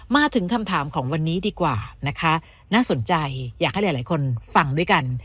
มาถึงคำถามของวันนี้ดีกว่านะคะน่าสนใจอยากให้หลายคนฟังด้วยกัน